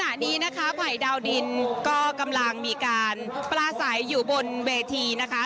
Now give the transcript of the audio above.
ขณะนี้นะคะภัยดาวดินก็กำลังมีการปลาใสอยู่บนเวทีนะคะ